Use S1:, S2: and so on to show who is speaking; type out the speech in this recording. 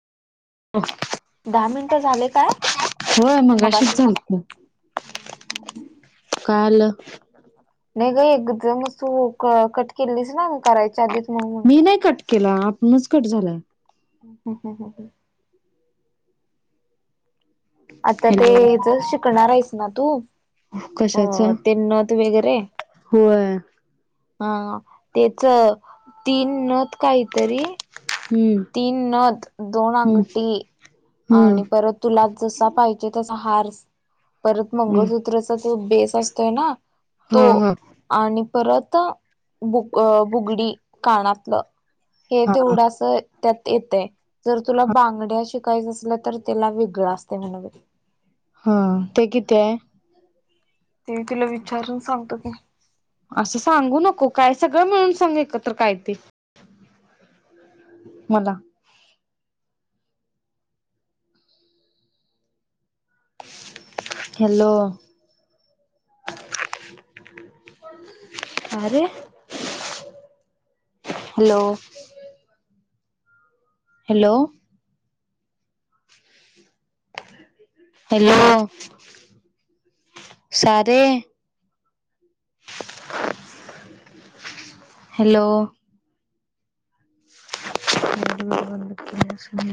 S1: दहा मिनिटं झाले काय
S2: होय मग अशीच
S1: मगाशी
S2: झालती काल
S1: नाही का एकदम तू कट केलीस ना करायच्या आधी
S2: मी नाही कट केला आपणच कट झालाय
S1: हा हा हा हा आता ते
S2: हॅलो
S1: ज शिकणार आहेस ना तू अ
S2: कशाच
S1: ते नथ वगैरे
S2: होय
S1: हा त्याच तीन नथ काहीतरी
S2: हम्म
S1: तीन नथ दोन
S2: हम्म
S1: अंगठी आणि
S2: हम्म
S1: परत तुला जसा पाहिजे तसा हार परत मंगळसूत्रचा तो बेस असतोय ना तो
S2: हा हा
S1: आणि परत बुग बुगडी कानातलं हे
S2: हा
S1: तेवढस त्यात येतय जर तुला बांगड्या श काहीच असलं तर त्याला वेगळं असते म्हण बाई
S2: हा ते किती आहे
S1: ते तिला विचारून सांगतो की
S2: असं सांगू नको काय सगळे मिळून सांग एकत्र काय ते मला हॅलो अरे हॅलो हॅलो हॅलो सारे हॅलो